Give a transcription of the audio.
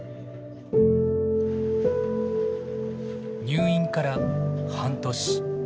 入院から半年。